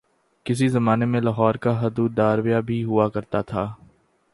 کسی زمانے میں لاہور کا حدوداربعہ بھی ہوا کرتا تھا